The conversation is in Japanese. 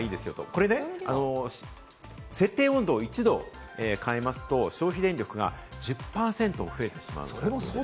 これ設定温度を１度変えますと、消費電力が１０％増えてしまう。